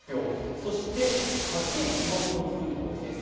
そして８位の熊本空港閉鎖。